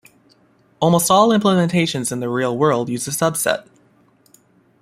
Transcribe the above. Almost all implementations in the real world use a subset.